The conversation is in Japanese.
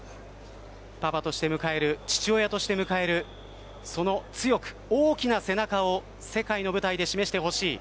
パパとして迎える父親として迎えるその強く大きな背中を世界の舞台で示してほしい。